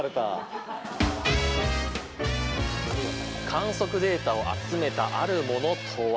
観測データを集めたあるものとは？